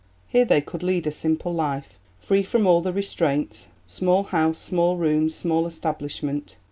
Here they could lead a simple life free from all restraints, "small house, small rooms, small establishment.